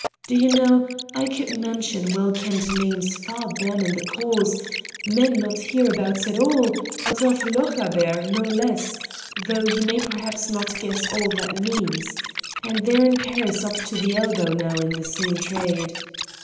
Do you know, I could mention well kent names far ben in the Cause men not of hereabouts at all, but of Lochaber no less, though you may perhaps not guess all that means and they're in Paris up to the elbow now in the same trade.